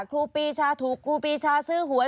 ครูปีชาถูกครูปีชาซื้อหวย